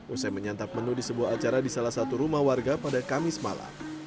usai menyantap menu di sebuah acara di salah satu rumah warga pada kamis malam